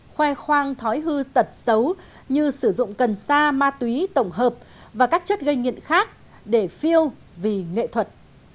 khoe khoang thói hư tật xấu như sử dụng cần sa ma túy tổng hợp và các chất gây nghiện khác để phiêu vì nghệ thuật